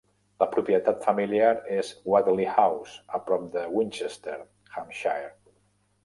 La propietat familiar és Watley House, a prop de Winchester, Hampshire.